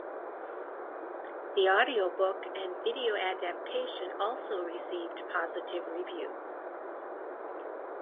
The audiobook and video adaptation also received positive reviews.